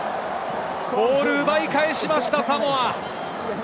ボール奪い返しました、サモア。